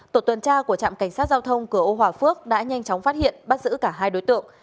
tổ tuần tra của trạm cảnh sát giao thông cửa ô hòa phước đã nhanh chóng phát hiện bắt giữ cả hai đối tượng